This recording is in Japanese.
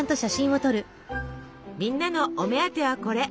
みんなのお目当てはこれ。